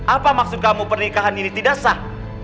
apa maksud kamu pernikahan ini tidak sah